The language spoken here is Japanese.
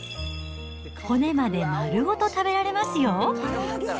骨まで丸ごと食べられますよ。